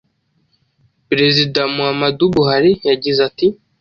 Perezida Muhammadu Buhari yagize ati: